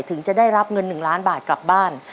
ถึงจะได้รับเงิน๑ล้านบาทกลับบ้าน